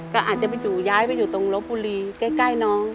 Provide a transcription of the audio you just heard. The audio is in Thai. ก็อาจจะไปอยู่ย้ายไปอยู่ตรงลบบุรีใกล้น้อง